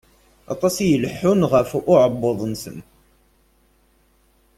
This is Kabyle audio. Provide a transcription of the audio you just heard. Aṭas i ileḥḥun ɣef uεebbuḍ-nsen.